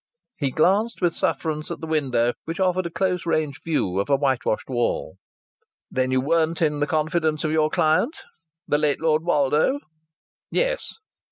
He glanced with sufferance at the window, which offered a close range view of a whitewashed wall. "Then you weren't in the confidence of your client?" "The late Lord Woldo?" "Yes."